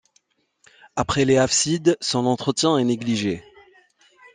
Après les Hafsides, son entretien est négligé.